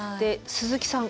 鈴木さん